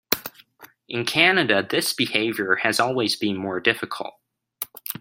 In Canada, this behaviour has always been more difficult.